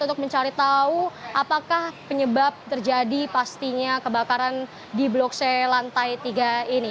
untuk mencari tahu apakah penyebab terjadi pastinya kebakaran di blok c lantai tiga ini